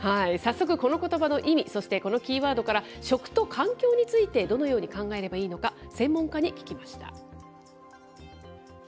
早速、このことばの意味、このキーワードから、食と環境についてどのように考えればいいのか、専門家に聞きました。